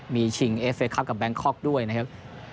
มีชิงเอฟเคครับกับแบงคอกด้วยนะครับ